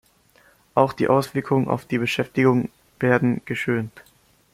Auch die Auswirkungen auf die Beschäftigung werden geschönt.